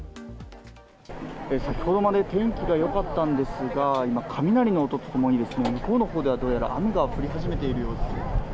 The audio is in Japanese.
先ほどまで天気がよかったんですが、今、雷の音とともに、向こうのほうでは、どうやら雨が降り始めているようです。